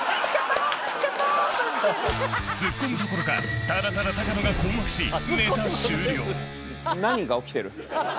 ツッコむどころかただただ高野が困惑しネタ終了何が起きてる？